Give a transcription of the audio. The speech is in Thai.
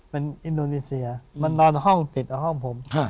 เป็นอินโดนีเซียมานอนห้องติดกับห้องผม